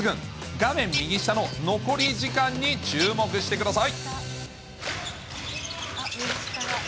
画面右下の残り時間に注目してください。